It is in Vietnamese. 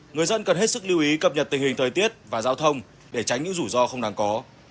người dân cần hết sức lưu ý cập nhật tình hình thời tiết và giao thông để tránh những rủi ro không đáng có